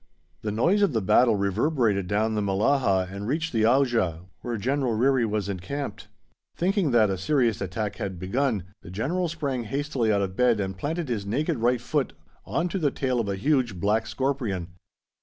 The noise of the battle reverberated down the Mellahah and reached the Auja, where General Ryrie was encamped. Thinking that a serious attack had begun, the General sprang hastily out of bed and planted his naked foot right on to the tail of a huge black scorpion.